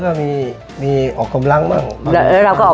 คุณพ่อมีลูกทั้งหมด๑๐ปี